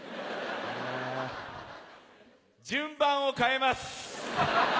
順番を変えます。